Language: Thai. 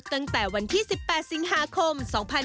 ตั้งแต่วันที่๑๘สิงหาคม๒๕๖๒